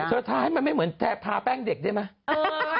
เธอทาให้มันไม่เหมือนทาแป้งเด็กได้ไหม